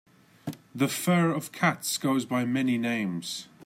The fur of cats goes by many names.